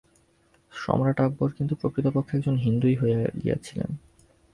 সম্রাট আকবর কিন্তু প্রকৃতপক্ষে একজন হিন্দুই হইয়া গিয়াছিলেন।